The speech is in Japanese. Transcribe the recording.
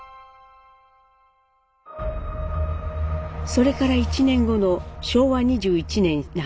それから１年後の昭和２１年夏。